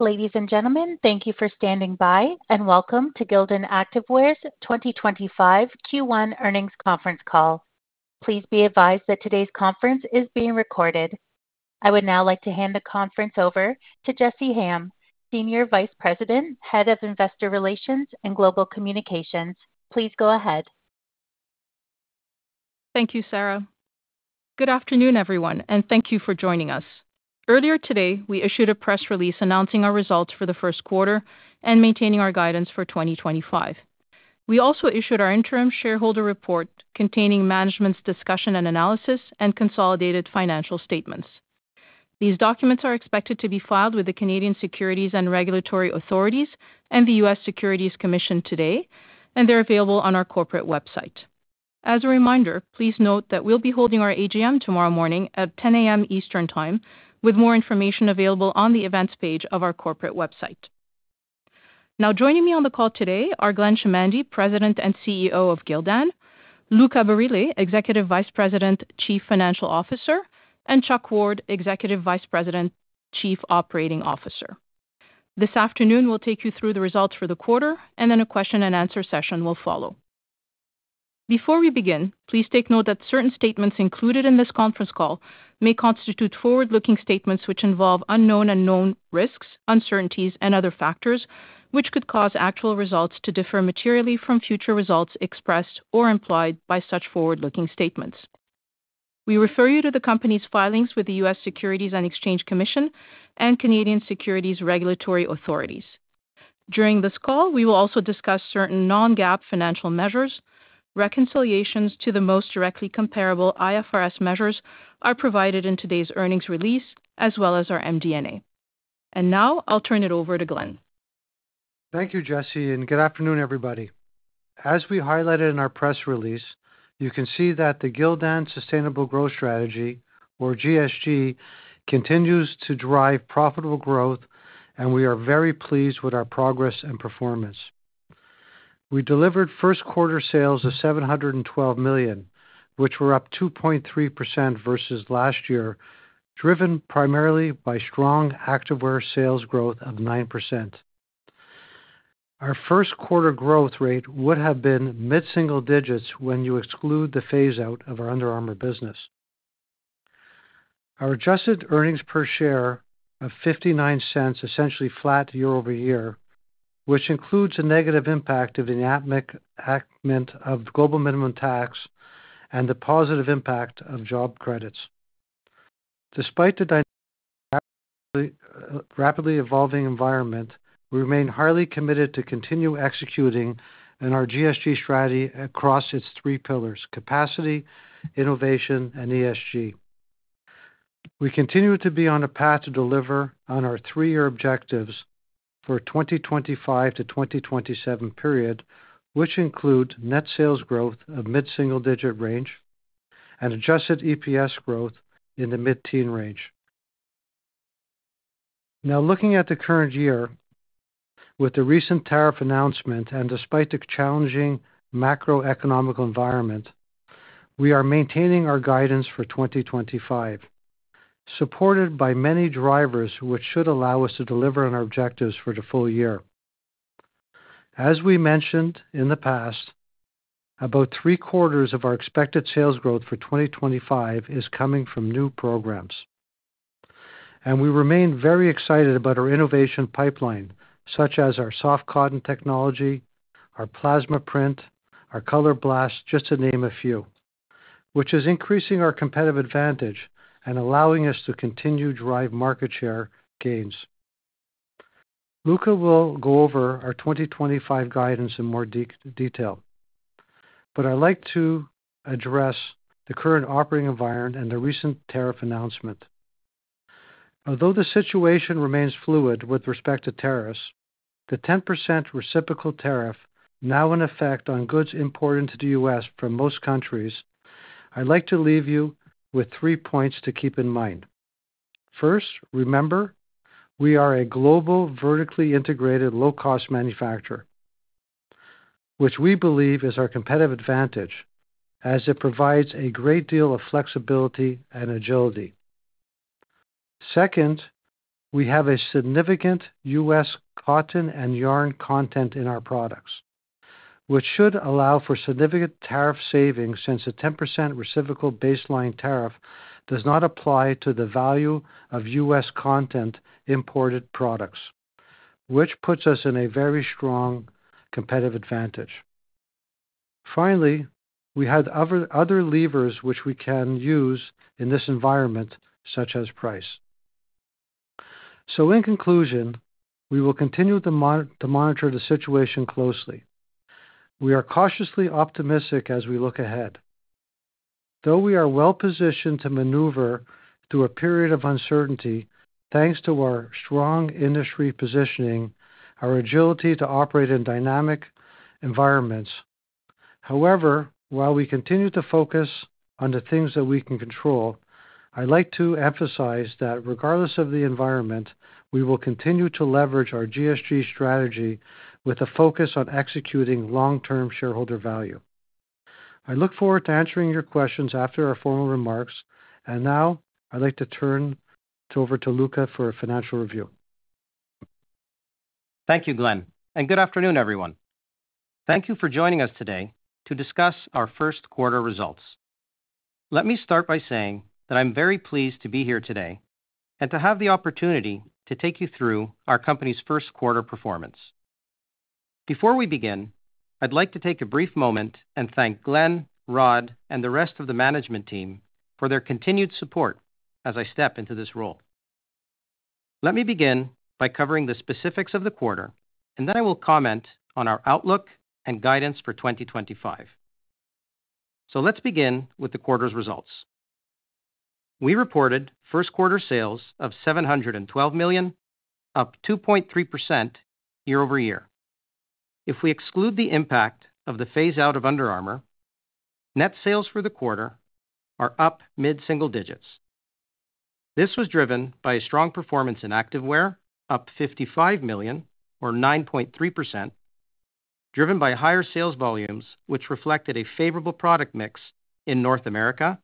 Ladies and gentlemen, thank you for standing by, and welcome to Gildan Activewear's 2025 Q1 Earnings Conference Call. Please be advised that today's conference is being recorded. I would now like to hand the conference over to Jessy Hayem, Senior Vice President, Head of Investor Relations and Global Communications. Please go ahead. Thank you, Sarah. Good afternoon, everyone, and thank you for joining us. Earlier today, we issued a press release announcing our results for the first quarter and maintaining our guidance for 2025. We also issued our interim shareholder report containing management's discussion and analysis and consolidated financial statements. These documents are expected to be filed with the Canadian Securities and Regulatory Authorities and the U.S. Securities Commission today, and they're available on our corporate website. As a reminder, please note that we'll be holding our AGM tomorrow morning at 10:00 A.M. Eastern Time, with more information available on the events page of our corporate website. Now, joining me on the call today are Glenn Chamandy, President and CEO of Gildan; Luca Barile, Executive Vice President, Chief Financial Officer; and Chuck Ward, Executive Vice President, Chief Operating Officer. This afternoon, we'll take you through the results for the quarter, and then a question-and-answer session will follow. Before we begin, please take note that certain statements included in this conference call may constitute forward-looking statements which involve unknown and known risks, uncertainties, and other factors which could cause actual results to differ materially from future results expressed or implied by such forward-looking statements. We refer you to the company's filings with the U.S. Securities and Exchange Commission and Canadian Securities Regulatory Authorities. During this call, we will also discuss certain non-GAAP financial measures, reconciliations to the most directly comparable IFRS measures provided in today's earnings release, as well as our MD&A. Now, I'll turn it over to Glenn. Thank you, Jessy, and good afternoon, everybody. As we highlighted in our press release, you can see that the Gildan Sustainable Growth Strategy, or GSG, continues to drive profitable growth, and we are very pleased with our progress and performance. We delivered first-quarter sales of $712 million, which were up 2.3% versus last year, driven primarily by strong activewear sales growth of 9%. Our first-quarter growth rate would have been mid-single digits when you exclude the phase-out of our Under Armour business. Our adjusted earnings per share of $0.59 essentially flat year-over-year, which includes a negative impact of the enactment of the global minimum tax and the positive impact of job credits. Despite the rapidly evolving environment, we remain highly committed to continue executing on our GSG strategy across its three pillars: capacity, innovation, and ESG. We continue to be on a path to deliver on our three-year objectives for the 2025-2027 period, which include net sales growth of mid-single digit range and adjusted EPS growth in the mid-teen range. Now, looking at the current year, with the recent tariff announcement and despite the challenging macroeconomic environment, we are maintaining our guidance for 2025, supported by many drivers which should allow us to deliver on our objectives for the full year. As we mentioned in the past, about three-quarters of our expected sales growth for 2025 is coming from new programs, and we remain very excited about our innovation pipeline, such as our Soft Cotton Technology, our Plasma Print, our Color Blast, just to name a few, which is increasing our competitive advantage and allowing us to continue to drive market share gains. Luca will go over our 2025 guidance in more detail, but I'd like to address the current operating environment and the recent tariff announcement. Although the situation remains fluid with respect to tariffs, the 10% reciprocal tariff now in effect on goods imported into the U.S. from most countries, I'd like to leave you with three points to keep in mind. First, remember, we are a global, vertically integrated, low-cost manufacturer, which we believe is our competitive advantage as it provides a great deal of flexibility and agility. Second, we have a significant U.S. cotton and yarn content in our products, which should allow for significant tariff savings since the 10% reciprocal baseline tariff does not apply to the value of U.S. content imported products, which puts us in a very strong competitive advantage. Finally, we have other levers which we can use in this environment, such as price. In conclusion, we will continue to monitor the situation closely. We are cautiously optimistic as we look ahead, though we are well-positioned to maneuver through a period of uncertainty thanks to our strong industry positioning, our agility to operate in dynamic environments. However, while we continue to focus on the things that we can control, I'd like to emphasize that regardless of the environment, we will continue to leverage our GSG strategy with a focus on executing long-term shareholder value. I look forward to answering your questions after our formal remarks, and now, I'd like to turn it over to Luca for a financial review. Thank you, Glenn, and good afternoon, everyone. Thank you for joining us today to discuss our first-quarter results. Let me start by saying that I'm very pleased to be here today and to have the opportunity to take you through our company's first-quarter performance. Before we begin, I'd like to take a brief moment and thank Glenn, Rhodri, and the rest of the management team for their continued support as I step into this role. Let me begin by covering the specifics of the quarter, and then I will comment on our outlook and guidance for 2025. Let's begin with the quarter's results. We reported first-quarter sales of $712 million, up 2.3% year-over-year. If we exclude the impact of the phase-out of Under Armour, net sales for the quarter are up mid-single digits. This was driven by a strong performance in activewear, up $55 million, or 9.3%, driven by higher sales volumes which reflected a favorable product mix in North America,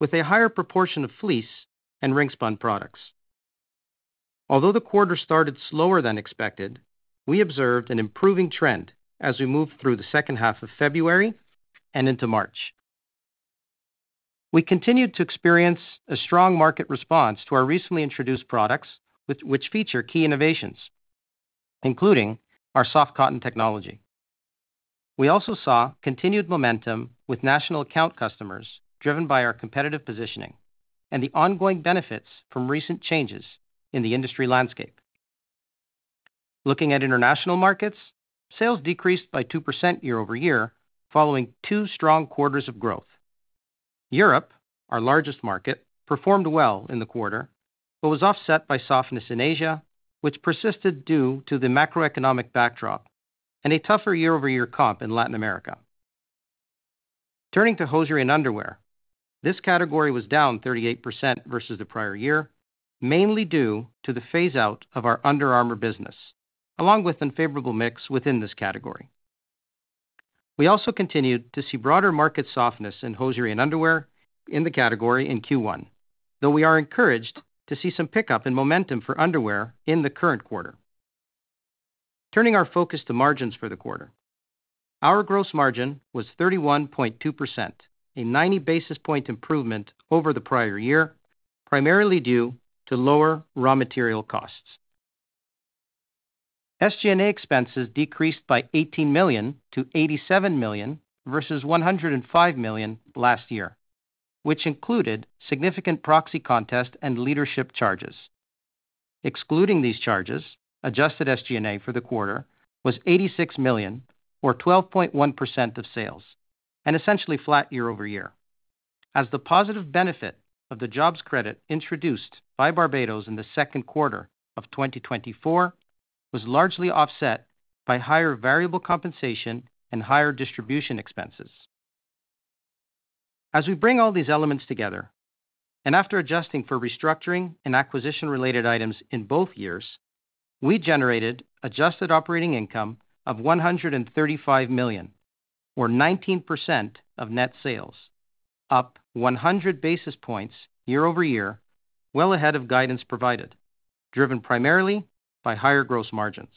with a higher proportion of fleece and ring-spun products. Although the quarter started slower than expected, we observed an improving trend as we moved through the second half of February and into March. We continued to experience a strong market response to our recently introduced products, which feature key innovations, including our soft cotton technology. We also saw continued momentum with national account customers, driven by our competitive positioning and the ongoing benefits from recent changes in the industry landscape. Looking at international markets, sales decreased by 2% year-over-year, following two strong quarters of growth. Europe, our largest market, performed well in the quarter but was offset by softness in Asia, which persisted due to the macroeconomic backdrop and a tougher year-over-year comp in Latin America. Turning to hosiery and underwear, this category was down 38% versus the prior year, mainly due to the phase-out of our Under Armour business, along with an unfavorable mix within this category. We also continued to see broader market softness in hosiery and underwear in the category in Q1, though we are encouraged to see some pickup in momentum for underwear in the current quarter. Turning our focus to margins for the quarter, our gross margin was 31.2%, a 90 basis point improvement over the prior year, primarily due to lower raw material costs. SG&A expenses decreased by $18 million-$87 million versus $105 million last year, which included significant proxy contest and leadership charges. Excluding these charges, adjusted SG&A for the quarter was $86 million, or 12.1% of sales, and essentially flat year-over-year, as the positive benefit of the jobs credit introduced by Barbados in the second quarter of 2024 was largely offset by higher variable compensation and higher distribution expenses. As we bring all these elements together, and after adjusting for restructuring and acquisition-related items in both years, we generated adjusted operating income of $135 million, or 19% of net sales, up 100 basis points year-over-year, well ahead of guidance provided, driven primarily by higher gross margins.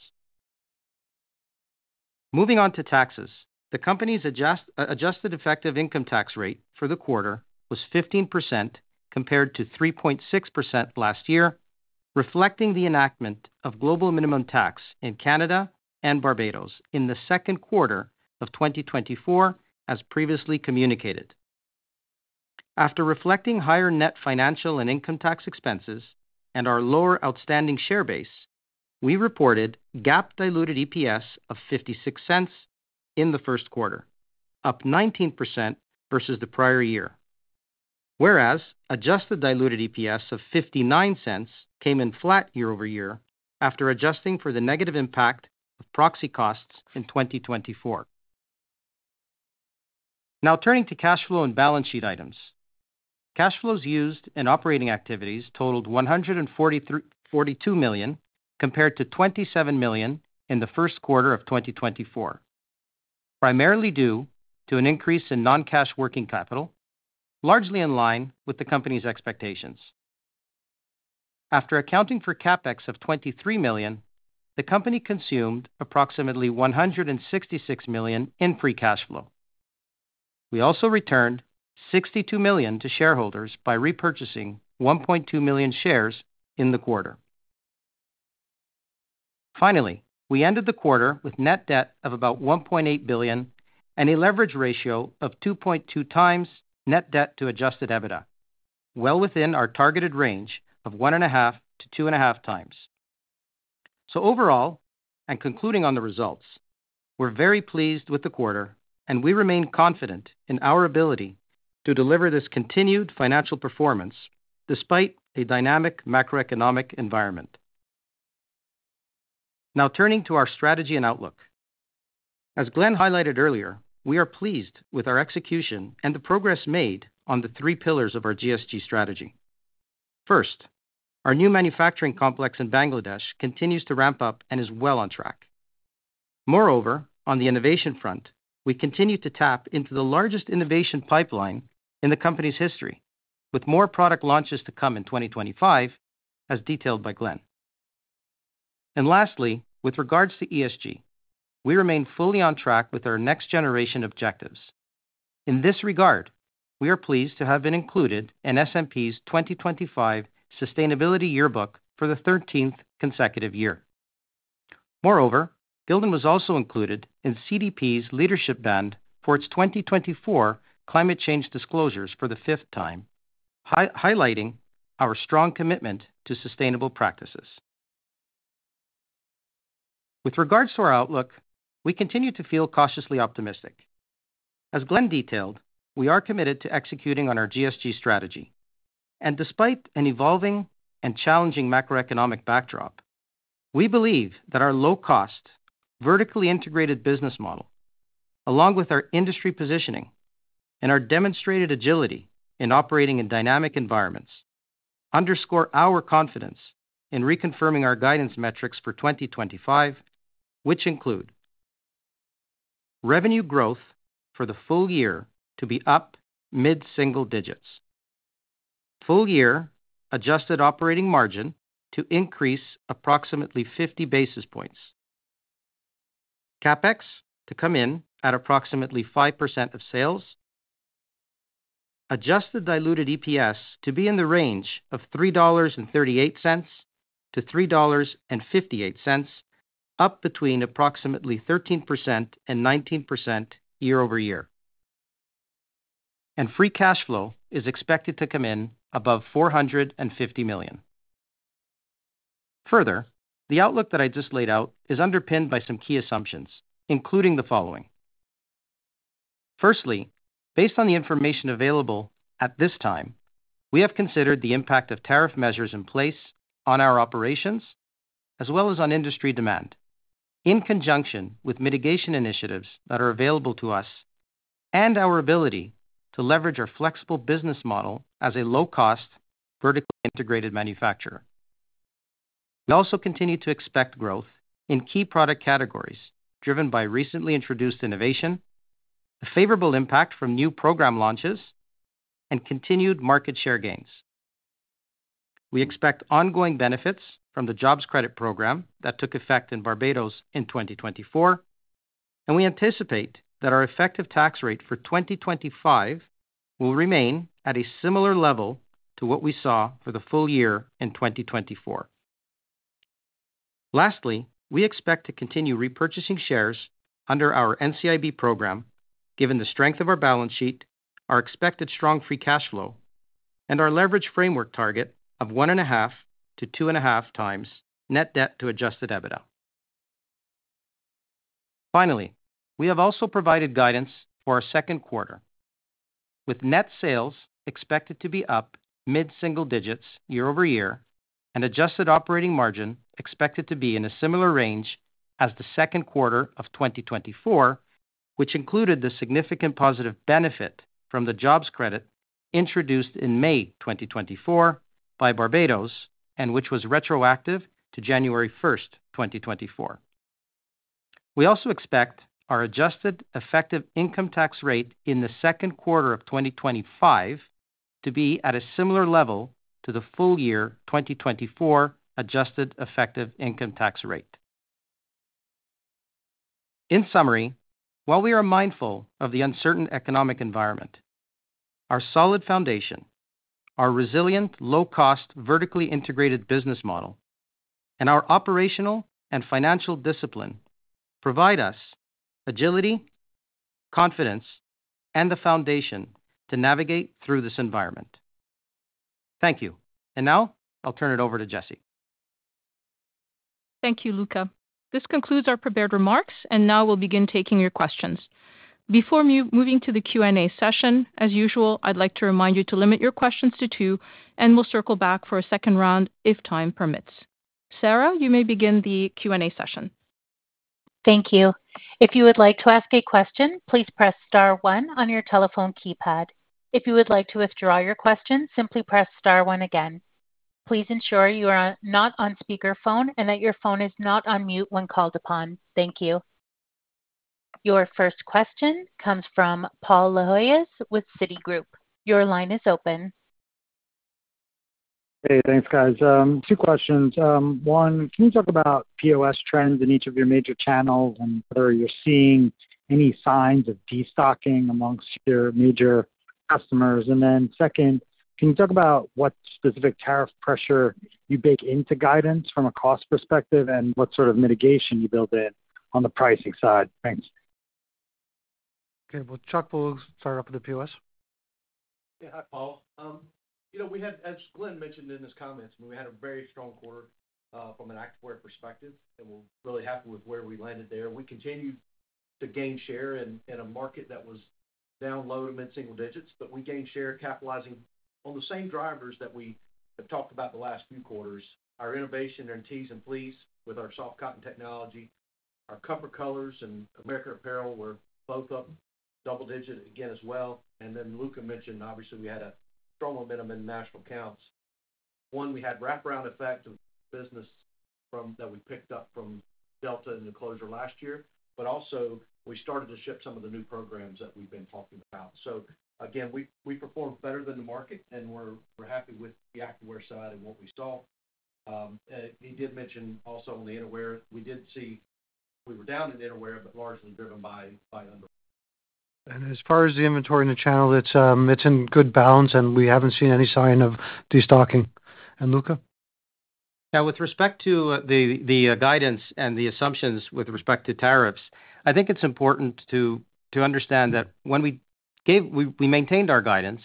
Moving on to taxes, the company's adjusted effective income tax rate for the quarter was 15% compared to 3.6% last year, reflecting the enactment of global minimum tax in Canada and Barbados in the second quarter of 2024, as previously communicated. After reflecting higher net financial and income tax expenses and our lower outstanding share base, we reported GAAP-diluted EPS of $0.56 in the first quarter, up 19% versus the prior year, whereas adjusted diluted EPS of $0.59 came in flat year-over-year after adjusting for the negative impact of proxy costs in 2024. Now, turning to cash flow and balance sheet items, cash flows used in operating activities totaled $142 million compared to $27 million in the first quarter of 2024, primarily due to an increase in non-cash working capital, largely in line with the company's expectations. After accounting for CapEx of $23 million, the company consumed approximately $166 million in free cash flow. We also returned $62 million to shareholders by repurchasing 1.2 million shares in the quarter. Finally, we ended the quarter with net debt of about $1.8 billion and a leverage ratio of 2.2 times net debt to adjusted EBITDA, well within our targeted range of 1.5-2.5 times. Overall, and concluding on the results, we're very pleased with the quarter, and we remain confident in our ability to deliver this continued financial performance despite a dynamic macroeconomic environment. Now, turning to our strategy and outlook. As Glenn highlighted earlier, we are pleased with our execution and the progress made on the three pillars of our GSG strategy. First, our new manufacturing complex in Bangladesh continues to ramp up and is well on track. Moreover, on the innovation front, we continue to tap into the largest innovation pipeline in the company's history, with more product launches to come in 2025, as detailed by Glenn. Lastly, with regards to ESG, we remain fully on track with our next-generation objectives. In this regard, we are pleased to have been included in S&P's 2025 Sustainability Yearbook for the 13th consecutive year. Moreover, Gildan was also included in CDP's leadership band for its 2024 climate change disclosures for the fifth time, highlighting our strong commitment to sustainable practices. With regards to our outlook, we continue to feel cautiously optimistic. As Glenn detailed, we are committed to executing on our GSG strategy, and despite an evolving and challenging macroeconomic backdrop, we believe that our low-cost, vertically integrated business model, along with our industry positioning and our demonstrated agility in operating in dynamic environments, underscore our confidence in reconfirming our guidance metrics for 2025, which include: Revenue growth for the full year to be up mid-single digits. Full-year adjusted operating margin to increase approximately 50 basis points. CapEx to come in at approximately 5% of sales. Adjusted diluted EPS to be in the range of $3.38-$3.58, up between approximately 13% and 19% year-over-year. Free cash flow is expected to come in above $450 million. Further, the outlook that I just laid out is underpinned by some key assumptions, including the following. Firstly, based on the information available at this time, we have considered the impact of tariff measures in place on our operations, as well as on industry demand, in conjunction with mitigation initiatives that are available to us and our ability to leverage our flexible business model as a low-cost, vertically integrated manufacturer. We also continue to expect growth in key product categories driven by recently introduced innovation, a favorable impact from new program launches, and continued market share gains. We expect ongoing benefits from the jobs credit program that took effect in Barbados in 2024, and we anticipate that our effective tax rate for 2025 will remain at a similar level to what we saw for the full year in 2024. Lastly, we expect to continue repurchasing shares under our NCIB program, given the strength of our balance sheet, our expected strong free cash flow, and our leverage framework target of 1.5-2.5 times net debt to adjusted EBITDA. Finally, we have also provided guidance for our second quarter, with net sales expected to be up mid-single digits year-over-year and adjusted operating margin expected to be in a similar range as the second quarter of 2024, which included the significant positive benefit from the jobs credit introduced in May 2024 by Barbados and which was retroactive to January 1, 2024. We also expect our adjusted effective income tax rate in the second quarter of 2025 to be at a similar level to the full-year 2024 adjusted effective income tax rate. In summary, while we are mindful of the uncertain economic environment, our solid foundation, our resilient, low-cost, vertically integrated business model, and our operational and financial discipline provide us agility, confidence, and the foundation to navigate through this environment. Thank you, and now I'll turn it over to Jessy. Thank you, Luca. This concludes our prepared remarks, and now we'll begin taking your questions. Before moving to the Q&A session, as usual, I'd like to remind you to limit your questions to two, and we'll circle back for a second round if time permits. Sarah, you may begin the Q&A session. Thank you. If you would like to ask a question, please press star one on your telephone keypad. If you would like to withdraw your question, simply press star one again. Please ensure you are not on speakerphone and that your phone is not on mute when called upon. Thank you. Your first question comes from Paul Lejuez with Citigroup. Your line is open. Hey, thanks, guys. Two questions. One, can you talk about POS trends in each of your major channels and whether you're seeing any signs of de-stocking amongst your major customers? Then second, can you talk about what specific tariff pressure you bake into guidance from a cost perspective and what sort of mitigation you build in on the pricing side? Thanks. Okay, well, Chuck will start off with the POS. Yeah, hi, Paul. You know, we had, as Glenn mentioned in his comments, we had a very strong quarter from an activewear perspective, and we're really happy with where we landed there. We continued to gain share in a market that was down low to mid-single digits, but we gained share capitalizing on the same drivers that we have talked about the last few quarters: our innovation in tees and fleece with our Soft Cotton Technology, our Comfort Colors, and American Apparel were both up double-digit again as well. You know, Luca mentioned, obviously, we had strong momentum in national accounts. One, we had wraparound effect of business that we picked up from Delta in the closure last year, but also we started to ship some of the new programs that we've been talking about. Again, we performed better than the market, and we're happy with the activewear side and what we saw. He did mention also on the innerwear, we did see we were down in innerwear, but largely driven by under. As far as the inventory in the channel, it's in good balance, and we haven't seen any sign of de-stocking. Luca? Now, with respect to the guidance and the assumptions with respect to tariffs, I think it's important to understand that when we maintained our guidance,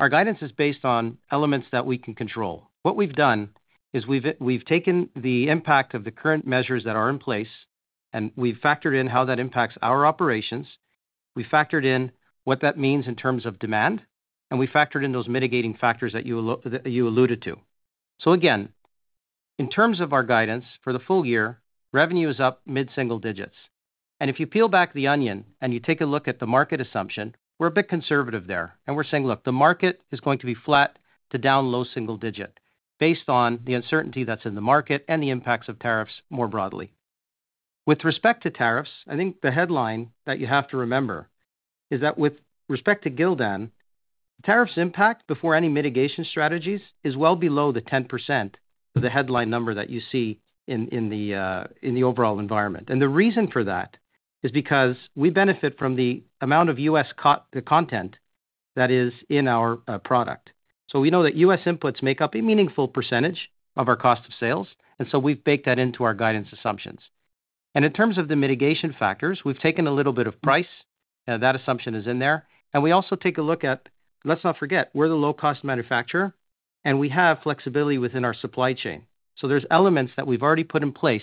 our guidance is based on elements that we can control. What we've done is we've taken the impact of the current measures that are in place, and we've factored in how that impacts our operations. We factored in what that means in terms of demand, and we factored in those mitigating factors that you alluded to. Again, in terms of our guidance for the full year, revenue is up mid-single digits. If you peel back the onion and you take a look at the market assumption, we're a bit conservative there. We're saying, look, the market is going to be flat to down low single digit based on the uncertainty that's in the market and the impacts of tariffs more broadly. With respect to tariffs, I think the headline that you have to remember is that with respect to Gildan, the tariffs impact before any mitigation strategies is well below the 10% of the headline number that you see in the overall environment. The reason for that is because we benefit from the amount of U.S. content that is in our product. We know that U.S. inputs make up a meaningful percentage of our cost of sales, and we have baked that into our guidance assumptions. In terms of the mitigation factors, we have taken a little bit of price, and that assumption is in there. We also take a look at, let's not forget, we are the low-cost manufacturer, and we have flexibility within our supply chain. There are elements that we've already put in place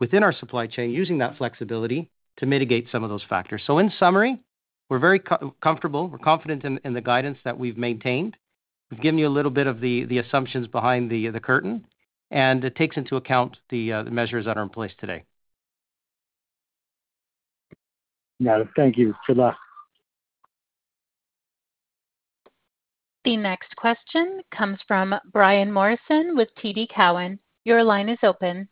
within our supply chain using that flexibility to mitigate some of those factors. In summary, we're very comfortable. We're confident in the guidance that we've maintained. We've given you a little bit of the assumptions behind the curtain, and it takes into account the measures that are in place today. Got it. Thank you. Good luck. The next question comes from Brian Morrison with TD Cowen. Your line is open.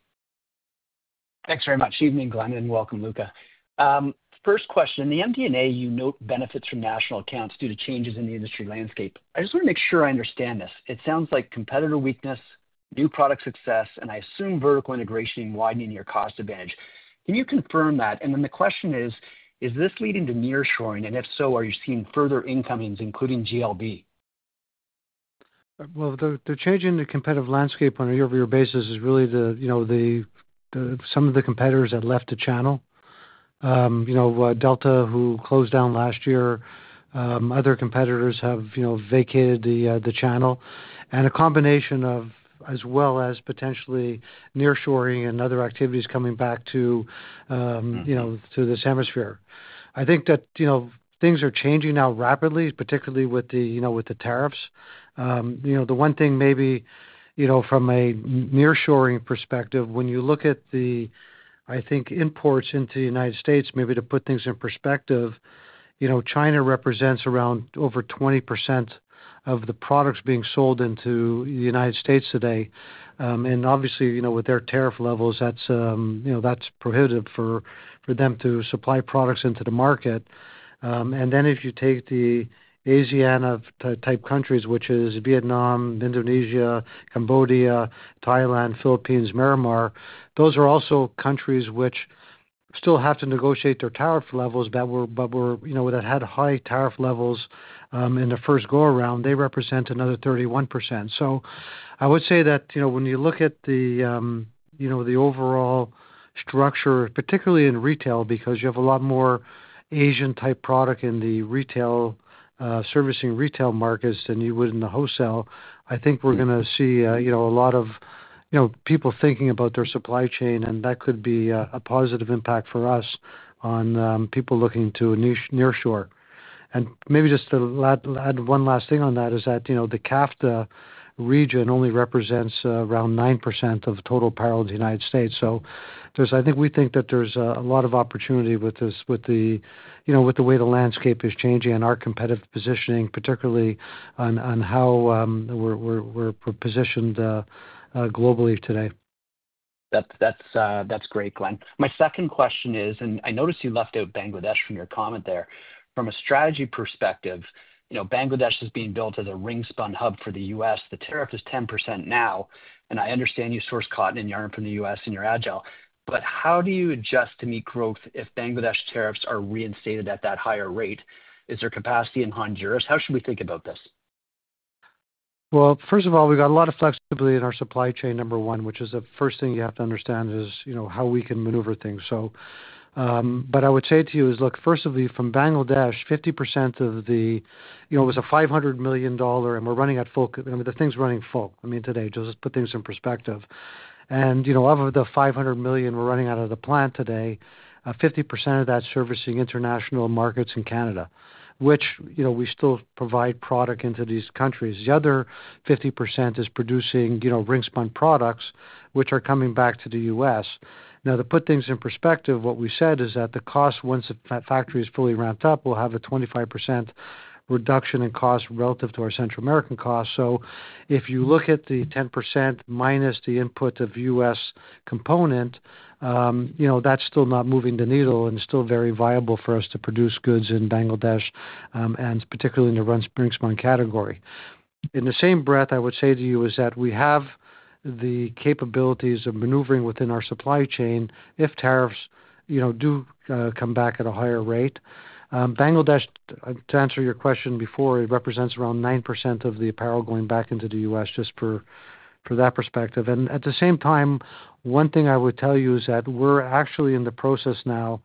Thanks very much. Evening, Glenn, and welcome, Luca. First question, the MD&A you note benefits from national accounts due to changes in the industry landscape. I just want to make sure I understand this. It sounds like competitor weakness, new product success, and I assume vertical integration and widening your cost advantage. Can you confirm that? The question is, is this leading to nearshoring? If so, are you seeing further incomings, including GLB? The change in the competitive landscape on a year-over-year basis is really the, you know, some of the competitors have left the channel. You know, Delta, who closed down last year, other competitors have vacated the channel. A combination of, as well as potentially nearshoring and other activities coming back to, you know, to the hemisphere. I think that, you know, things are changing now rapidly, particularly with the, you know, with the tariffs. You know, the one thing maybe, you know, from a nearshoring perspective, when you look at the, I think, imports into the United States, maybe to put things in perspective, you know, China represents around over 20% of the products being sold into the United States today. Obviously, you know, with their tariff levels, that is prohibitive for them to supply products into the market. If you take the ASEAN-type countries, which is Vietnam, Indonesia, Cambodia, Thailand, Philippines, Myanmar, those are also countries which still have to negotiate their tariff levels, but were, you know, that had high tariff levels in the first go-around. They represent another 31%. I would say that, you know, when you look at the, you know, the overall structure, particularly in retail, because you have a lot more Asian-type product in the retail servicing retail markets than you would in the wholesale, I think we're going to see, you know, a lot of, you know, people thinking about their supply chain, and that could be a positive impact for us on people looking to nearshore. Maybe just to add one last thing on that is that, you know, the CAFTA region only represents around 9% of total apparel in the United States. I think we think that there's a lot of opportunity with this, with the, you know, with the way the landscape is changing and our competitive positioning, particularly on how we're positioned globally today. That's great, Glenn. My second question is, and I noticed you left out Bangladesh from your comment there. From a strategy perspective, you know, Bangladesh is being built as a ring-spun hub for the U.S. The tariff is 10% now, and I understand you source cotton and yarn from the U.S. and you're agile, but how do you adjust to meet growth if Bangladesh tariffs are reinstated at that higher rate? Is there capacity in Honduras? How should we think about this? First of all, we've got a lot of flexibility in our supply chain, number one, which is the first thing you have to understand is, you know, how we can maneuver things. I would say to you is, look, first of all, from Bangladesh, 50% of the, you know, it was a $500 million, and we're running at full, I mean, the thing's running full, I mean, today, just to put things in perspective. You know, of the $500 million we're running out of the plant today, 50% of that's servicing international markets in Canada, which, you know, we still provide product into these countries. The other 50% is producing, you know, ring-spun products, which are coming back to the U.S. Now, to put things in perspective, what we said is that the cost, once the factory is fully ramped up, will have a 25% reduction in cost relative to our Central American cost. If you look at the 10% minus the input of U.S. component, you know, that's still not moving the needle and still very viable for us to produce goods in Bangladesh, and particularly in the ring-spun category. In the same breath, I would say to you is that we have the capabilities of maneuvering within our supply chain if tariffs, you know, do come back at a higher rate. Bangladesh, to answer your question before, it represents around 9% of the apparel going back into the U.S. just for that perspective. At the same time, one thing I would tell you is that we're actually in the process now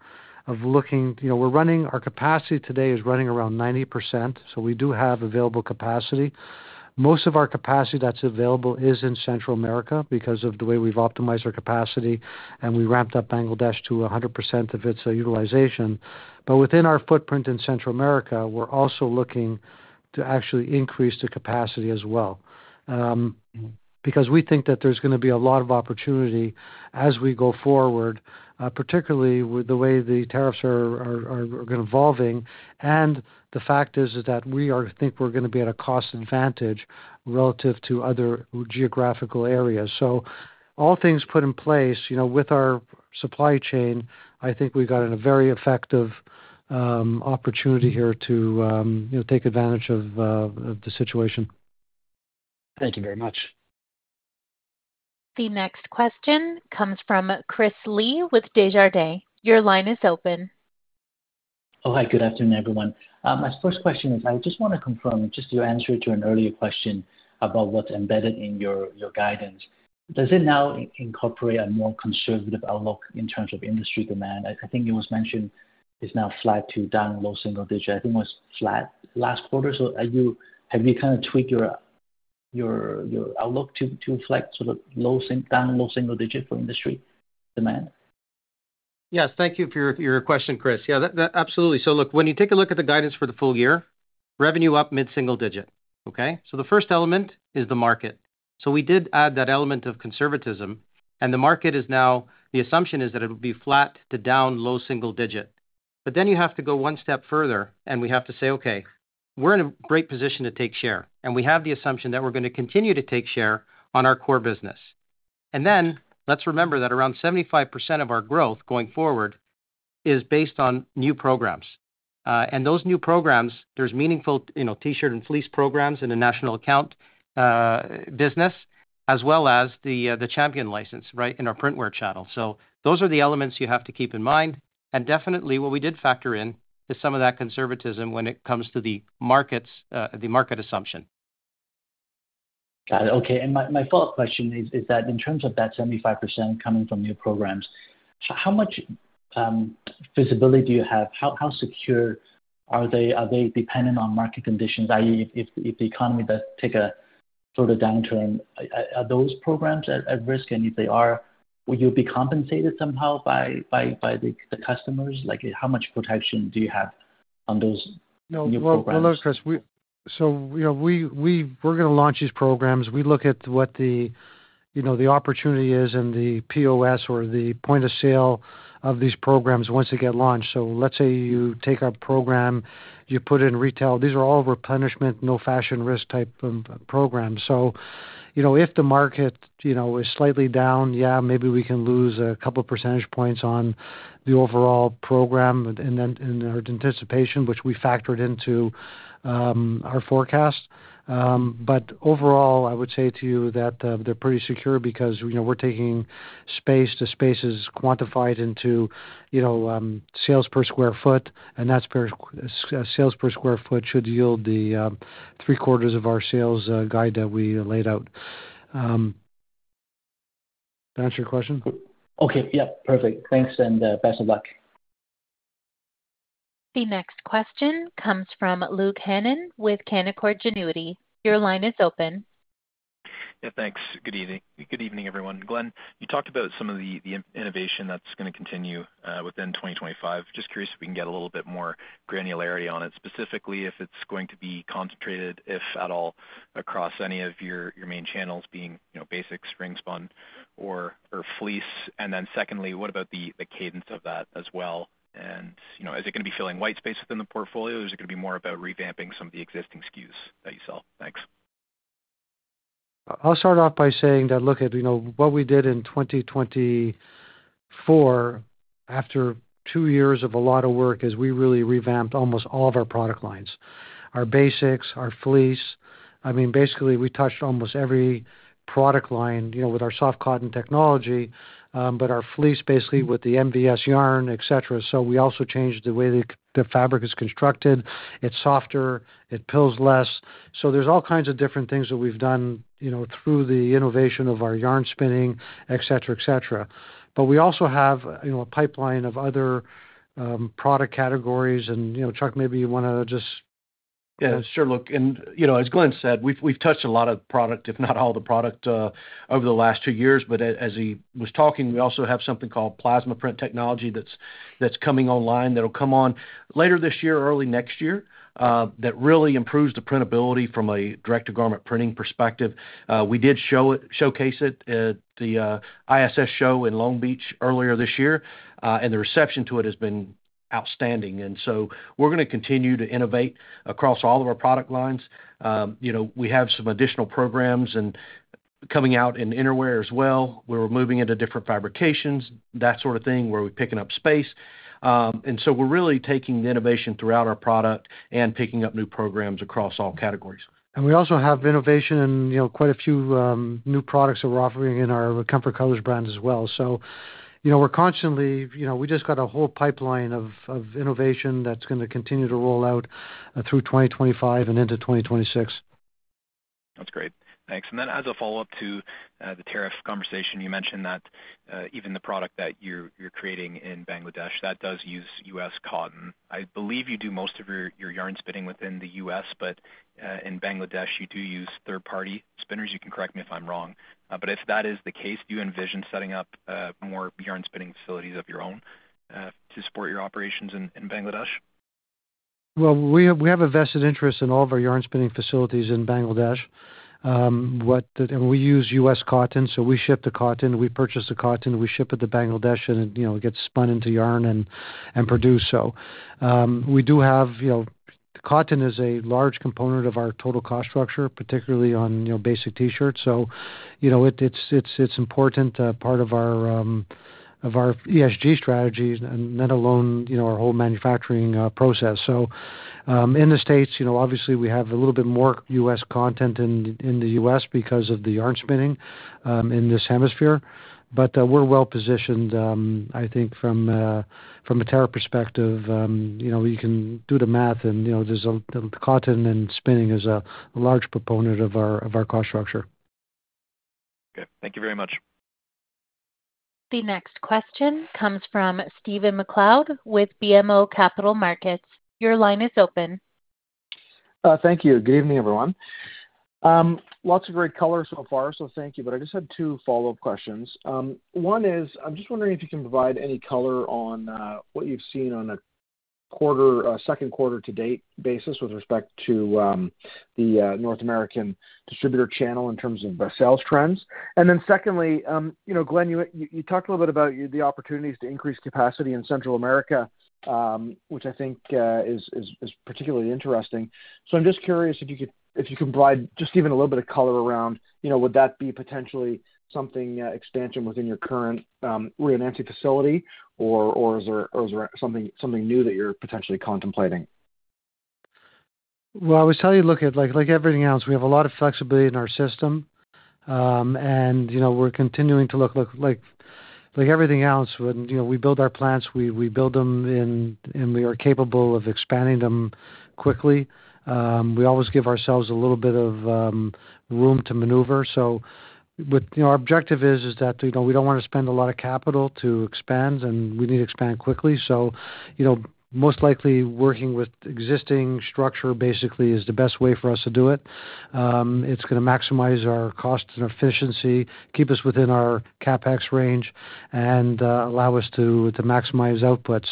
of looking, you know, we're running, our capacity today is running around 90%, so we do have available capacity. Most of our capacity that's available is in Central America because of the way we've optimized our capacity, and we ramped up Bangladesh to 100% of its utilization. Within our footprint in Central America, we're also looking to actually increase the capacity as well. We think that there's going to be a lot of opportunity as we go forward, particularly with the way the tariffs are evolving. The fact is that we think we're going to be at a cost advantage relative to other geographical areas. All things put in place, you know, with our supply chain, I think we've got a very effective opportunity here to, you know, take advantage of the situation. Thank you very much. The next question comes from Chris Li with Desjardins. Your line is open. Oh, hi, good afternoon, everyone. My first question is, I just want to confirm just your answer to an earlier question about what's embedded in your guidance. Does it now incorporate a more conservative outlook in terms of industry demand? I think it was mentioned it's now flat to down low single digit. I think it was flat last quarter. Have you kind of tweaked your outlook to flex to low single digit for industry demand? Yes, thank you for your question, Chris. Yeah, absolutely. Look, when you take a look at the guidance for the full year, revenue up mid-single digit, okay? The first element is the market. We did add that element of conservatism, and the market is now, the assumption is that it would be flat to down low single digit. You have to go one step further, and we have to say, okay, we're in a great position to take share, and we have the assumption that we're going to continue to take share on our core business. Let's remember that around 75% of our growth going forward is based on new programs. Those new programs, there's meaningful, you know, t-shirt and fleece programs in the national account business, as well as the Champion license, right, in our printwear channel. Those are the elements you have to keep in mind. What we did factor in is some of that conservatism when it comes to the markets, the market assumption. Got it. Okay. My follow-up question is that in terms of that 75% coming from new programs, how much visibility do you have? How secure are they? Are they dependent on market conditions, i.e., if the economy does take a sort of downturn, are those programs at risk? If they are, will you be compensated somehow by the customers? Like, how much protection do you have on those new programs? No, no, no, Chris. You know, we're going to launch these programs. We look at what the, you know, the opportunity is and the POS or the point of sale of these programs once they get launched. Let's say you take our program, you put it in retail. These are all replenishment, no fashion risk type of programs. You know, if the market is slightly down, yeah, maybe we can lose a couple of percentage points on the overall program and then in our anticipation, which we factored into our forecast. Overall, I would say to you that they're pretty secure because, you know, we're taking space to spaces quantified into, you know, sales per square foot, and that's where sales per square foot should yield the three quarters of our sales guide that we laid out. Did I answer your question? Okay. Yeah. Perfect. Thanks and best of luck. The next question comes from Luke Hannan with Canaccord Genuity. Your line is open. Yeah, thanks. Good evening. Good evening, everyone. Glenn, you talked about some of the innovation that's going to continue within 2025. Just curious if we can get a little bit more granularity on it, specifically if it's going to be concentrated, if at all, across any of your main channels being, you know, basics, ring-spun or fleece. Then secondly, what about the cadence of that as well? You know, is it going to be filling white space within the portfolio? Is it going to be more about revamping some of the existing SKUs that you sell? Thanks. I'll start off by saying that look at, you know, what we did in 2024 after two years of a lot of work as we really revamped almost all of our product lines. Our basics, our fleece. I mean, basically, we touched almost every product line, you know, with our Soft Cotton Technology, but our fleece basically with the MVS yarn, etc. We also changed the way the fabric is constructed. It's softer, it pills less. There are all kinds of different things that we've done, you know, through the innovation of our yarn spinning, etc., etc. We also have, you know, a pipeline of other product categories. You know, Chuck, maybe you want to just. Yeah, sure, Luke. You know, as Glenn said, we've touched a lot of product, if not all the product over the last two years. As he was talking, we also have something called plasma print technology that's coming online that'll come on later this year, early next year, that really improves the printability from a direct-to-garment printing perspective. We did showcase it at the ISS show in Long Beach earlier this year, and the reception to it has been outstanding. We're going to continue to innovate across all of our product lines. You know, we have some additional programs coming out in innerwear as well. We're moving into different fabrications, that sort of thing where we're picking up space. We're really taking the innovation throughout our product and picking up new programs across all categories. We also have innovation in, you know, quite a few new products that we're offering in our Comfort Colors brands as well. You know, we're constantly, you know, we just got a whole pipeline of innovation that's going to continue to roll out through 2025 and into 2026. That's great. Thanks. As a follow-up to the tariff conversation, you mentioned that even the product that you're creating in Bangladesh does use U.S. cotton. I believe you do most of your yarn spinning within the U.S., but in Bangladesh, you do use third-party spinners. You can correct me if I'm wrong. If that is the case, do you envision setting up more yarn spinning facilities of your own to support your operations in Bangladesh? We have a vested interest in all of our yarn spinning facilities in Bangladesh. And we use U.S. cotton, so we ship the cotton, we purchase the cotton, we ship it to Bangladesh, and it, you know, gets spun into yarn and produced. So we do have, you know, cotton is a large component of our total cost structure, particularly on, you know, basic t-shirts. You know, it's important part of our ESG strategy, and let alone, you know, our whole manufacturing process. In the States, you know, obviously we have a little bit more U.S. content in the U.S. because of the yarn spinning in this hemisphere. But we're well positioned, I think, from a tariff perspective. You know, you can do the math, and, you know, there's cotton and spinning is a large proponent of our cost structure. Okay. Thank you very much. The next question comes from Stephen MacLeod with BMO Capital Markets. Your line is open. Thank you. Good evening, everyone. Lots of great color so far, so thank you. I just had two follow-up questions. One is, I'm just wondering if you can provide any color on what you've seen on a quarter, second quarter to date basis with respect to the North American distributor channel in terms of sales trends. Secondly, you know, Glenn, you talked a little bit about the opportunities to increase capacity in Central America, which I think is particularly interesting. I'm just curious if you could provide just even a little bit of color around, you know, would that be potentially something expansion within your current Rio Nance facility, or is there something new that you're potentially contemplating? I would tell you, look, like everything else, we have a lot of flexibility in our system. And, you know, we're continuing to look like everything else. When we build our plants, we build them, and we are capable of expanding them quickly. We always give ourselves a little bit of room to maneuver. Our objective is that, you know, we don't want to spend a lot of capital to expand, and we need to expand quickly. You know, most likely working with existing structure basically is the best way for us to do it. It's going to maximize our cost and efficiency, keep us within our CapEx range, and allow us to maximize output.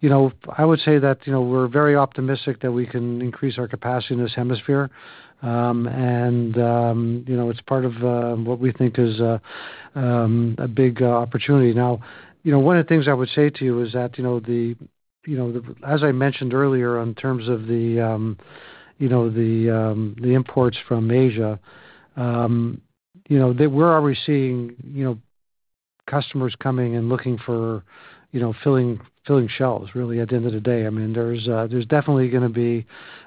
You know, I would say that, you know, we're very optimistic that we can increase our capacity in this hemisphere. You know, it's part of what we think is a big opportunity. Now, one of the things I would say to you is that, you know, as I mentioned earlier in terms of the imports from Asia, you know, where are we seeing, you know, customers coming and looking for, you know, filling shelves really at the end of the day? I mean, there's definitely going to be,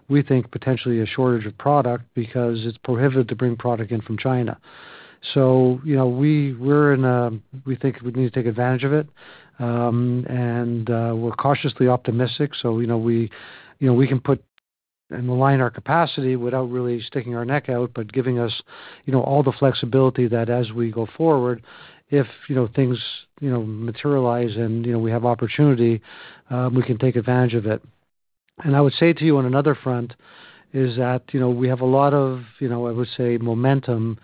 we think, potentially a shortage of product because it's prohibited to bring product in from China. You know, we think we need to take advantage of it. We're cautiously optimistic. You know, we can put and align our capacity without really sticking our neck out, but giving us, you know, all the flexibility that as we go forward, if, you know, things, you know, materialize and, you know, we have opportunity, we can take advantage of it. I would say to you on another front is that, you know, we have a lot of, you know, I would say momentum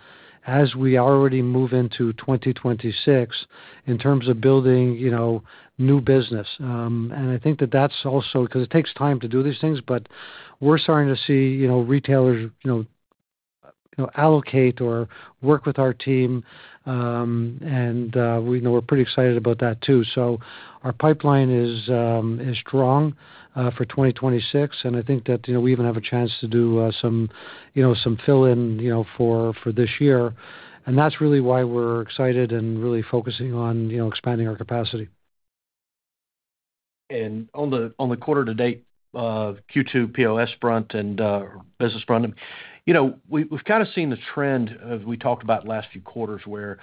as we already move into 2026 in terms of building, you know, new business. I think that that's also because it takes time to do these things, but we're starting to see, you know, retailers, you know, allocate or work with our team. We're pretty excited about that too. Our pipeline is strong for 2026. I think that, you know, we even have a chance to do some, you know, some fill-in, you know, for this year. That is really why we're excited and really focusing on, you know, expanding our capacity. On the quarter-to-date Q2 POS front and business front, you know, we've kind of seen the trend we talked about last few quarters where,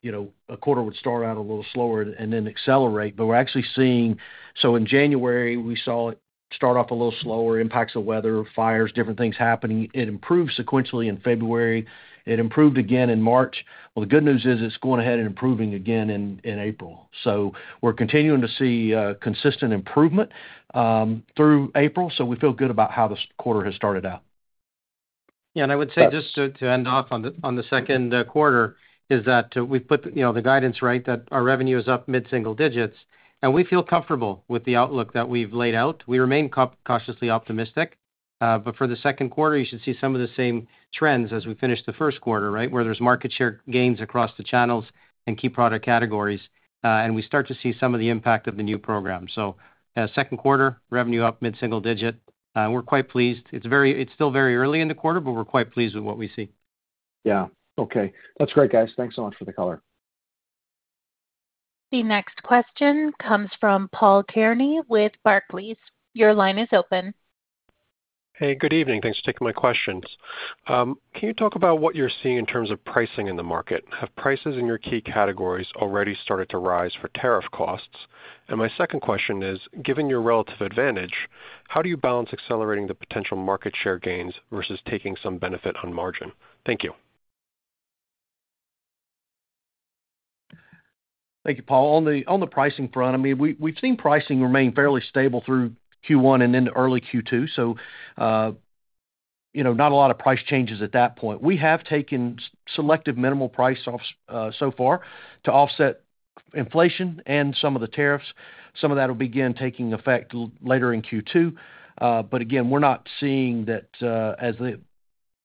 you know, a quarter would start out a little slower and then accelerate. Actually, we're seeing, in January, we saw it start off a little slower, impacts of weather, fires, different things happening. It improved sequentially in February. It improved again in March. The good news is it's going ahead and improving again in April. We are continuing to see consistent improvement through April. We feel good about how this quarter has started out. Yeah. I would say just to end off on the second quarter is that we've put, you know, the guidance, right, that our revenue is up mid-single digits. We feel comfortable with the outlook that we've laid out. We remain cautiously optimistic. For the second quarter, you should see some of the same trends as we finished the first quarter, right, where there's market share gains across the channels and key product categories. We start to see some of the impact of the new program. Second quarter, revenue up mid-single digit. We're quite pleased. It's still very early in the quarter, but we're quite pleased with what we see. Yeah. Okay. That's great, guys. Thanks so much for the color. The next question comes from Paul Kearney with Barclays. Your line is open. Hey, good evening. Thanks for taking my questions. Can you talk about what you're seeing in terms of pricing in the market? Have prices in your key categories already started to rise for tariff costs? My second question is, given your relative advantage, how do you balance accelerating the potential market share gains versus taking some benefit on margin? Thank you. Thank you, Paul. On the pricing front, I mean, we've seen pricing remain fairly stable through Q1 and into early Q2. You know, not a lot of price changes at that point. We have taken selective minimal price off so far to offset inflation and some of the tariffs. Some of that will begin taking effect later in Q2. Again, we're not seeing that as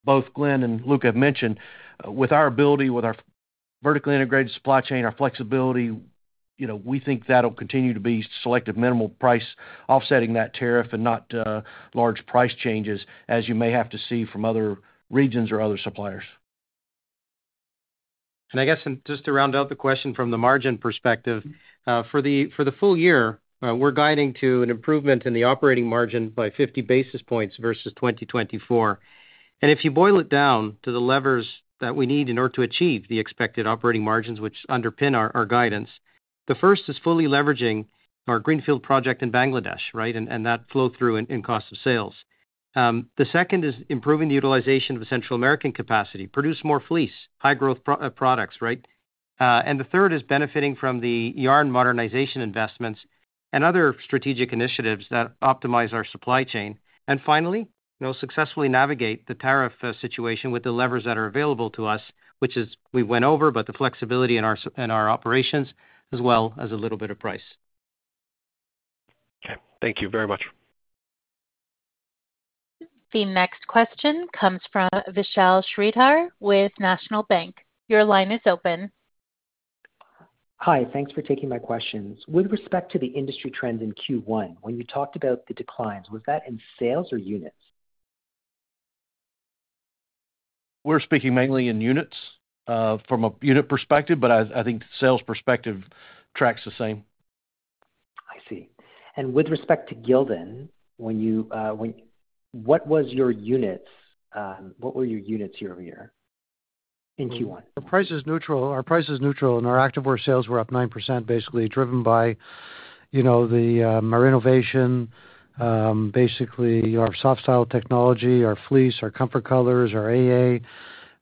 both Glenn and Luke have mentioned, with our ability, with our vertically integrated supply chain, our flexibility, you know, we think that'll continue to be selective minimal price offsetting that tariff and not large price changes as you may have to see from other regions or other suppliers. I guess just to round out the question from the margin perspective, for the full year, we're guiding to an improvement in the operating margin by 50 basis points versus 2024. If you boil it down to the levers that we need in order to achieve the expected operating margins, which underpin our guidance, the first is fully leveraging our Greenfield project in Bangladesh, right, and that flow through in cost of sales. The second is improving the utilization of the Central American capacity, produce more fleece, high-growth products, right? The third is benefiting from the yarn modernization investments and other strategic initiatives that optimize our supply chain. Finally, you know, successfully navigate the tariff situation with the levers that are available to us, which is we went over, but the flexibility in our operations as well as a little bit of price. Okay. Thank you very much. The next question comes from Vishal Shreedhar with National Bank. Your line is open. Hi. Thanks for taking my questions. With respect to the industry trends in Q1, when you talked about the declines, was that in sales or units? We're speaking mainly in units from a unit perspective, but I think sales perspective tracks the same. I see. With respect to Gildan, when you what was your units? What were your units year-over-year in Q1? Our price is neutral. Our price is neutral. And our activewear sales were up 9%, basically driven by, you know, our innovation, basically our Soft Cotton Technology, our fleece, our Comfort Colors, our AA.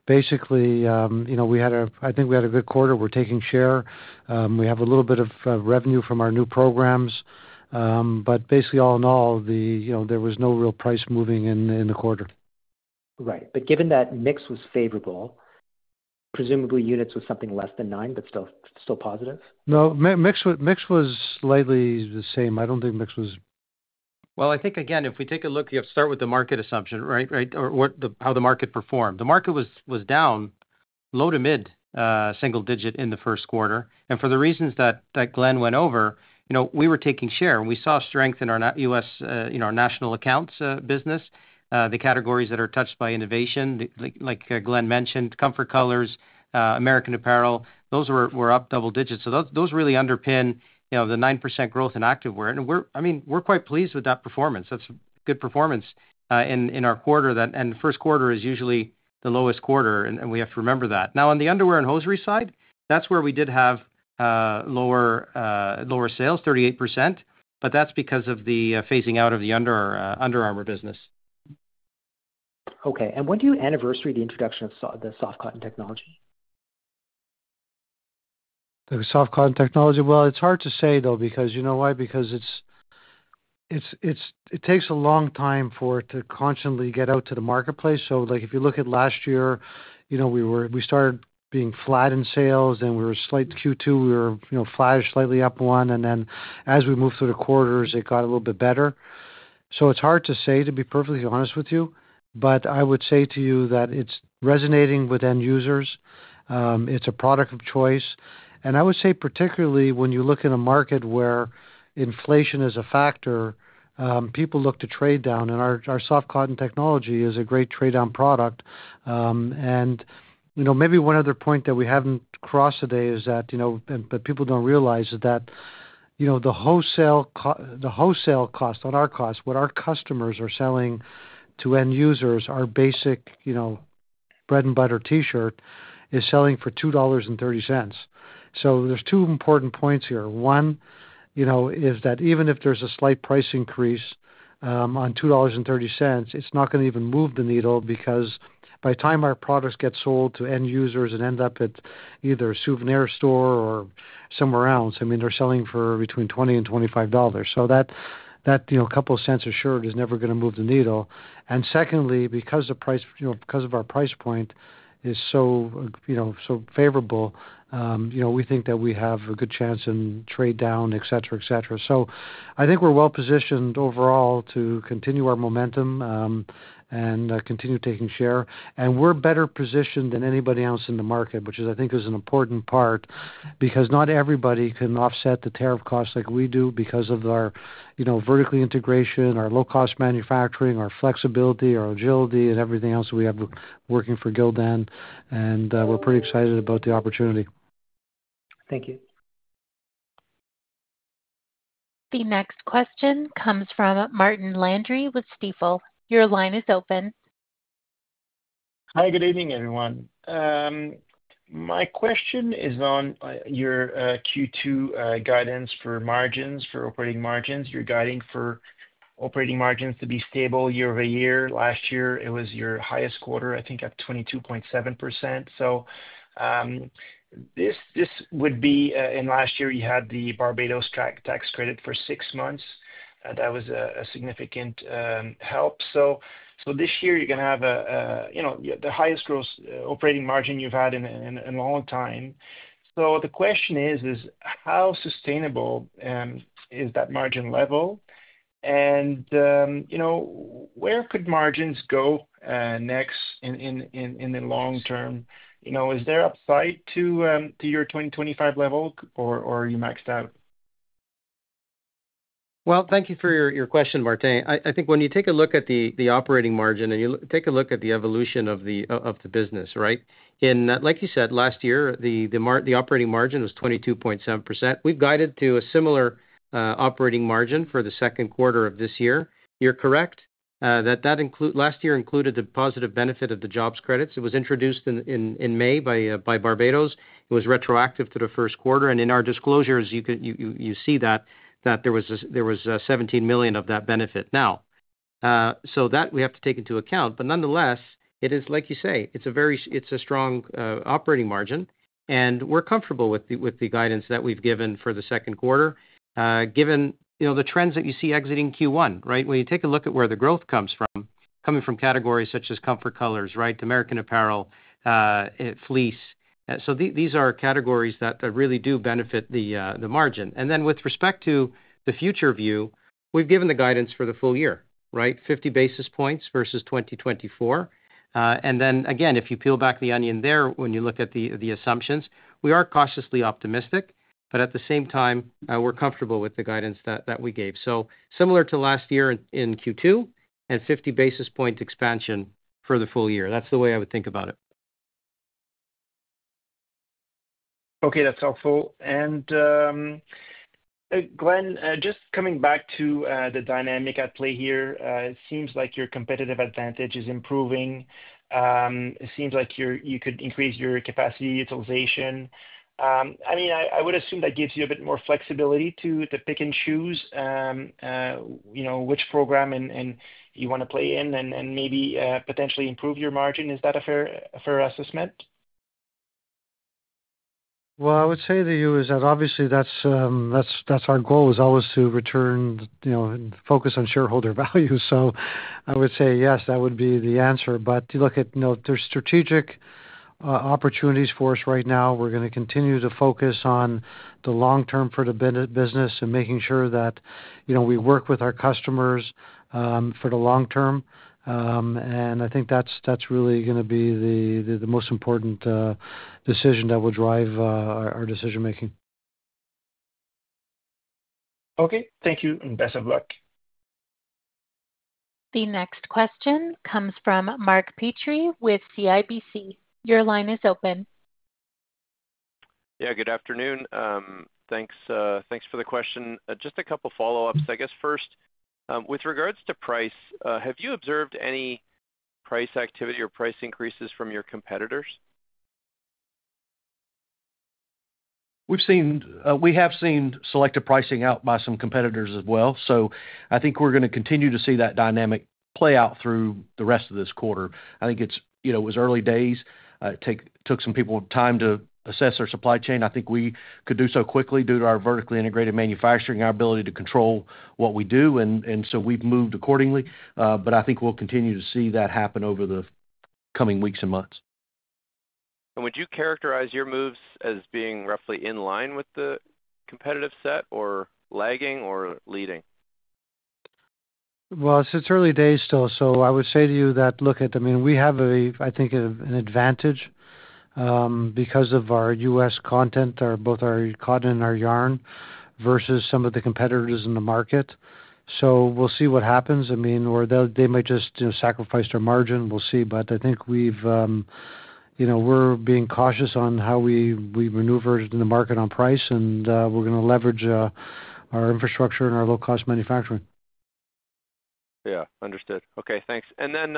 Basically, you know, we had a I think we had a good quarter. We're taking share. We have a little bit of revenue from our new programs. But basically, all in all, the, you know, there was no real price moving in the quarter. Right. Given that mix was favorable, presumably units was something less than 9, but still positive? No, mix was slightly the same. I don't think mix was. I think, again, if we take a look, you have to start with the market assumption, right, or how the market performed. The market was down low to mid-single digit in the first quarter. For the reasons that Glenn went over, you know, we were taking share. We saw strength in our U.S., you know, our national accounts business, the categories that are touched by innovation, like Glenn mentioned, Comfort Colors, American Apparel, those were up double digits. Those really underpin, you know, the 9% growth in activewear. I mean, we're quite pleased with that performance. That is good performance in our quarter. The first quarter is usually the lowest quarter, and we have to remember that. Now, on the underwear and hosiery side, that is where we did have lower sales, 38%, but that is because of the phasing out of the Under Armour business. Okay. When do you anniversary the introduction of the Soft Cotton Technology? The soft cotton technology? It's hard to say, though, because you know why? Because it takes a long time for it to constantly get out to the marketplace. Like if you look at last year, you know, we started being flat in sales, then we were slight Q2, we were, you know, flash slightly up one. As we moved through the quarters, it got a little bit better. It's hard to say, to be perfectly honest with you, but I would say to you that it's resonating with end users. It's a product of choice. I would say particularly when you look in a market where inflation is a factor, people look to trade down. Our soft cotton technology is a great trade-down product. You know, maybe one other point that we have not crossed today is that, you know, what people do not realize is that, you know, the wholesale cost on our cost, what our customers are selling to end users, our basic, you know, bread-and-butter T-shirt is selling for $2.30. There are two important points here. One, you know, is that even if there is a slight price increase on $2.30, it is not going to even move the needle because by the time our products get sold to end users and end up at either a souvenir store or somewhere else, I mean, they are selling for between $20 and $25. That, you know, couple of cents a shirt is never going to move the needle. Secondly, because the price, you know, because of our price point is so, you know, so favorable, you know, we think that we have a good chance in trade down, et cetera, et cetera. I think we're well positioned overall to continue our momentum and continue taking share. We're better positioned than anybody else in the market, which I think is an important part because not everybody can offset the tariff costs like we do because of our, you know, vertical integration, our low-cost manufacturing, our flexibility, our agility, and everything else we have working for Gildan. We're pretty excited about the opportunity. Thank you. The next question comes from Martin Landry with Stifel. Your line is open. Hi, good evening, everyone. My question is on your Q2 guidance for margins, for operating margins. You're guiding for operating margins to be stable year-over-year. Last year, it was your highest quarter, I think, at 22.7%. This would be in last year, you had the Barbados tax credit for six months. That was a significant help. This year, you're going to have, you know, the highest gross operating margin you've had in a long time. The question is, how sustainable is that margin level? You know, where could margins go next in the long term? You know, is there upside to your 2025 level or are you maxed out? Thank you for your question, Martin. I think when you take a look at the operating margin and you take a look at the evolution of the business, right, in, like you said, last year, the operating margin was 22.7%. We've guided to a similar operating margin for the second quarter of this year. You're correct that that last year included the positive benefit of the jobs credits. It was introduced in May by Barbados. It was retroactive to the first quarter. In our disclosures, you see that there was $17 million of that benefit. Now, that we have to take into account. Nonetheless, it is, like you say, it's a very strong operating margin. We're comfortable with the guidance that we've given for the second quarter, given, you know, the trends that you see exiting Q1, right? When you take a look at where the growth comes from, coming from categories such as Comfort Colors, right, American Apparel, fleece. These are categories that really do benefit the margin. With respect to the future view, we've given the guidance for the full year, right, 50 basis points versus 2024. Again, if you peel back the onion there, when you look at the assumptions, we are cautiously optimistic. At the same time, we're comfortable with the guidance that we gave. Similar to last year in Q2 and 50 basis point expansion for the full year. That's the way I would think about it. Okay. That's helpful. Glenn, just coming back to the dynamic at play here, it seems like your competitive advantage is improving. It seems like you could increase your capacity utilization. I mean, I would assume that gives you a bit more flexibility to pick and choose, you know, which program you want to play in and maybe potentially improve your margin. Is that a fair assessment? I would say to you is that obviously that's our goal is always to return, you know, focus on shareholder value. I would say, yes, that would be the answer. You look at, you know, there's strategic opportunities for us right now. We're going to continue to focus on the long-term for the business and making sure that, you know, we work with our customers for the long term. I think that's really going to be the most important decision that will drive our decision-making. Okay. Thank you and best of luck. The next question comes from Mark Petrie with CIBC. Your line is open. Yeah. Good afternoon. Thanks for the question. Just a couple of follow-ups. I guess first, with regards to price, have you observed any price activity or price increases from your competitors? We've seen selective pricing out by some competitors as well. I think we're going to continue to see that dynamic play out through the rest of this quarter. I think it's, you know, it was early days. It took some people time to assess our supply chain. I think we could do so quickly due to our vertically integrated manufacturing, our ability to control what we do. We've moved accordingly. I think we'll continue to see that happen over the coming weeks and months. Would you characterize your moves as being roughly in line with the competitive set or lagging or leading? It is early days still. I would say to you that look at, I mean, we have a, I think, an advantage because of our U.S. content, both our cotton and our yarn versus some of the competitors in the market. We will see what happens. I mean, or they might just sacrifice their margin. We will see. I think we have, you know, we are being cautious on how we maneuver in the market on price. We are going to leverage our infrastructure and our low-cost manufacturing. Yeah. Understood. Okay. Thanks. And then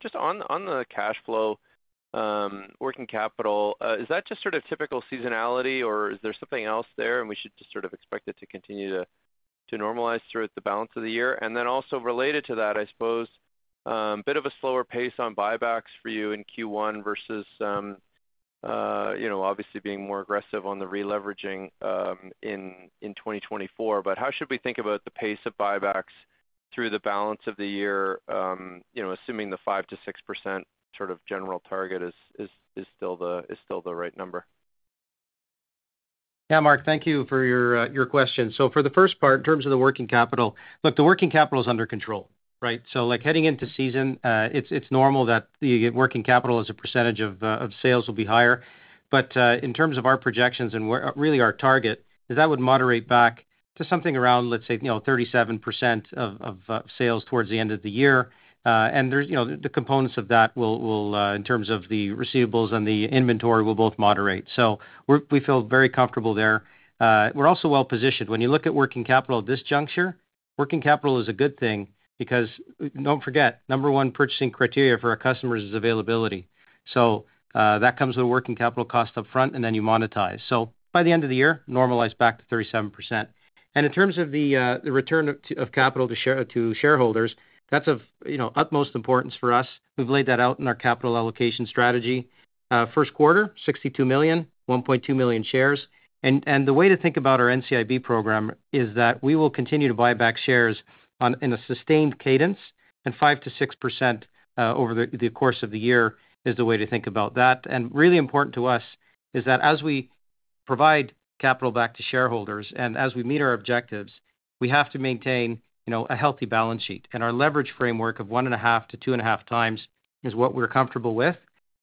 just on the cash flow, working capital, is that just sort of typical seasonality or is there something else there? We should just sort of expect it to continue to normalize throughout the balance of the year. Also related to that, I suppose, a bit of a slower pace on buybacks for you in Q1 versus, you know, obviously being more aggressive on the re-leveraging in 2024. How should we think about the pace of buybacks through the balance of the year, you know, assuming the 5%-6% sort of general target is still the right number? Yeah, Mark, thank you for your question. For the first part, in terms of the working capital, look, the working capital is under control, right? Like heading into season, it's normal that working capital as a percentage of sales will be higher. In terms of our projections and really our target, that would moderate back to something around, let's say, you know, 37% of sales towards the end of the year. There's, you know, the components of that will, in terms of the receivables and the inventory, will both moderate. We feel very comfortable there. We're also well positioned. When you look at working capital at this juncture, working capital is a good thing because don't forget, number one purchasing criteria for our customers is availability. That comes with a working capital cost upfront, and then you monetize. By the end of the year, normalize back to 37%. In terms of the return of capital to shareholders, that's of, you know, utmost importance for us. We've laid that out in our capital allocation strategy. First quarter, $62 million, 1.2 million shares. The way to think about our NCIB program is that we will continue to buy back shares in a sustained cadence, and 5%-6% over the course of the year is the way to think about that. Really important to us is that as we provide capital back to shareholders and as we meet our objectives, we have to maintain, you know, a healthy balance sheet. Our leverage framework of 1.5-2.5 times is what we're comfortable with.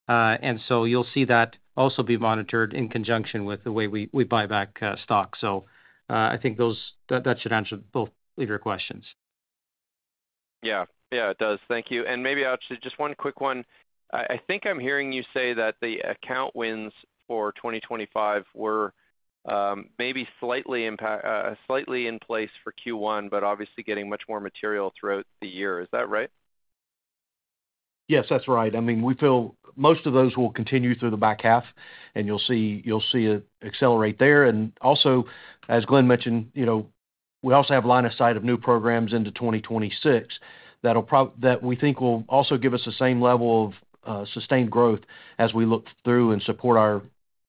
You'll see that also be monitored in conjunction with the way we buy back stock. I think that should answer both of your questions. Yeah. Yeah, it does. Thank you. Maybe actually just one quick one. I think I'm hearing you say that the account wins for 2025 were maybe slightly in place for Q1, but obviously getting much more material throughout the year. Is that right? Yes, that's right. I mean, we feel most of those will continue through the back half, and you'll see it accelerate there. Also, as Glenn mentioned, you know, we also have line of sight of new programs into 2026 that we think will also give us the same level of sustained growth as we look through and support our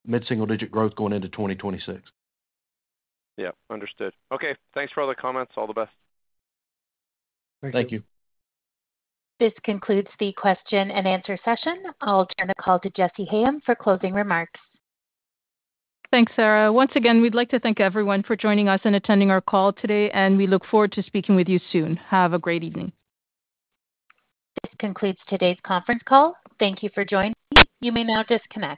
mid-single-digit growth going into 2026. Yeah. Understood. Okay. Thanks for all the comments. All the best. Thank you. This concludes the question-and-answer session. I'll turn the call to Jessy Hayem for closing remarks. Thanks, Sarah. Once again, we'd like to thank everyone for joining us and attending our call today, and we look forward to speaking with you soon. Have a great evening. This concludes today's conference call. Thank you for joining. You may now disconnect.